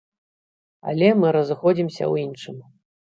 Але мы разыходзімся ў іншым.